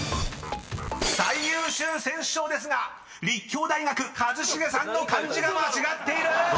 ［「最優秀選手賞」ですが立教大学一茂さんの漢字が間違っている！